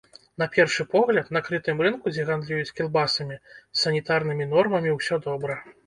На першы погляд, на крытым рынку, дзе гандлююць кілбасамі, з санітарнымі нормамі ўсё добра.